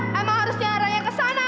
eh emang harusnya arahnya kesana